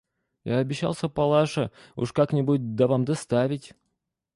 – Я обещался Палаше уж как-нибудь да вам доставить.